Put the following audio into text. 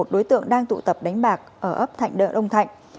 một mươi một đối tượng đang tụ tập đánh bạc ở ấp thạnh đợ đông thạnh